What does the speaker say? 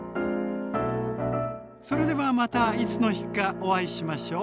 それではまたいつの日かお会いしましょう。